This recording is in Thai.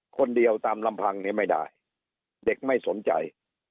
คนเดียวตามลำพังเนี่ยไม่ได้เด็กไม่สนใจ